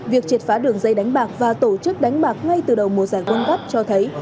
việc triệt phá đường dây đánh bạc và tổ chức đánh bạc ngay từ đầu mùa giải quân gấp cho thấy